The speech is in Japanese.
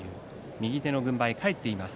右手の軍配が返っています。